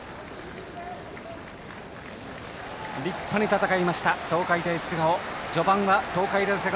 立派に戦いました東海大菅生。